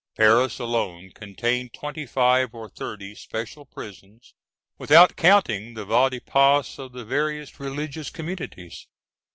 ] Paris alone contained twenty five or thirty special prisons, without counting the vade in pace of the various religious communities.